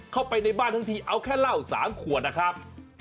เข้าไปในบ้านทั้งทีเอาแค่เหล้า๓ขวดนะครับ